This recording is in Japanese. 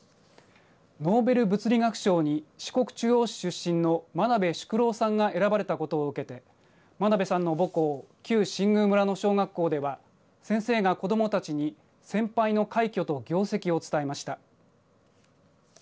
ノーベル物理学賞に四国中央市出身の真鍋淑郎さんが選ばれたことを受けて真鍋さんの母校、旧新宮村の小学校では先生が子どもたちに先輩の快挙と業績を伝えました。